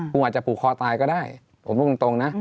อาจจะผูกคอตายก็ได้ผมพูดตรงนะ